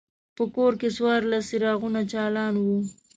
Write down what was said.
په کور کې څوارلس څراغونه چالان وو.